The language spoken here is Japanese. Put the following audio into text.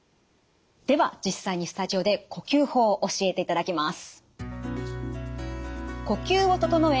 では実際にスタジオで呼吸法教えていただきます。